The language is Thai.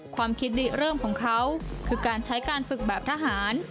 ความคิดริเริ่มของเขาคือการใช้การฝึกแบบทหาร